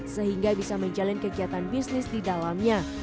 sehingga bisa menjalin kegiatan bisnis di dalamnya